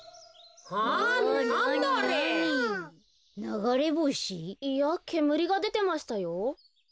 ながれぼし？いやけむりがでてましたよ。